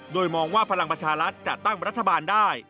โดยมองว่าพลังประชารัฐจะตั้งรัฐบาลได้